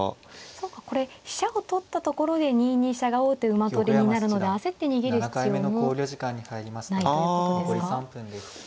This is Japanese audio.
そうかこれ飛車を取ったところで２二飛車が王手馬取りになるので焦って逃げる必要もないということですか。